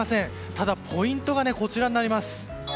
ただポイントがこちらになります。